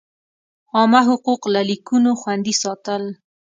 عامه حقوق لکه لیکونو خوندي ساتل.